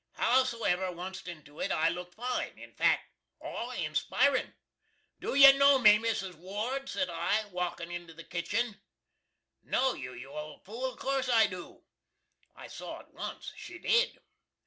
Howsever, onct into it, I lookt fine in fact, aw inspirin. "Do you know me, Mrs. Ward?" sed I, walking into the kitchin. "Know you, you old fool? Of course I do." I saw at once she did.